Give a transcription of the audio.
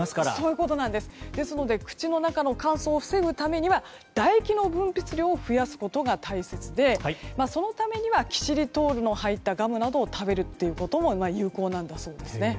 ですから口の中の乾燥を防ぐためには唾液の分泌量を増やすことが大切でそのためにはキシリトールの入ったガムを食べることも有効なんですね。